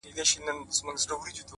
• اوس چي زه ليري بل وطن كي يمه ـ